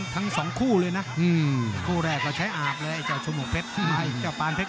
ทั้งสองคู่เลยน่ะคู่แรกก็ใช้อาบเลยไอ้เจ้าชมวงเผ็ดครอก